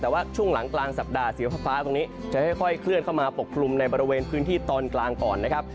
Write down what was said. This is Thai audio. แต่ว่าช่วงหลังกลางสัปดาห์สีฟ้าตรงนี้จะค่อยเคลื่อนเข้ามาปกคลุมในบริเวณพื้นที่ตอนกลางก่อนนะครับ